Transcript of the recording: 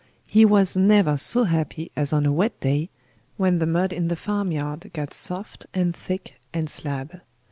He was never so happy as on a wet day, when the mud in the farmyard got soft, and thick, and slab.